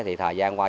thì thời gian qua